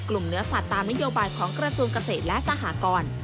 เนื้อสัตว์ตามนโยบายของกระทรวงเกษตรและสหกร